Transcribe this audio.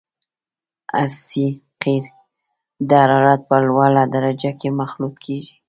اس سي قیر د حرارت په لوړه درجه کې مخلوط کیږي